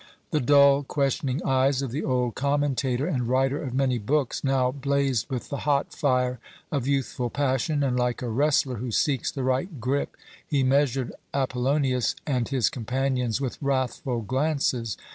The dull, questioning eyes of the old commentator and writer of many books now blazed with the hot fire of youthful passion and, like a wrestler who seeks the right grip, he measured Apollonius and his companions with wrathful glances.